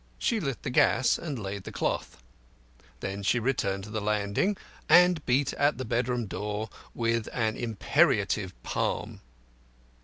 She lit the gas, and laid the cloth; then she returned to the landing and beat at the bedroom door with an imperative palm.